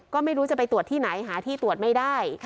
ก็ไม่รู้จะไปตรวจที่ไหนหาที่ตรวจไม่ได้